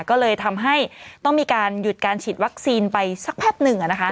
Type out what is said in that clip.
ก็เลยทำให้ต้องมีการหยุดการฉีดวัคซีนไปสักแพบหนึ่ง